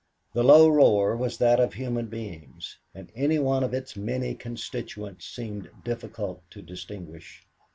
The low roar was that of human beings, and any one of its many constituents seemed difficult to distinguish.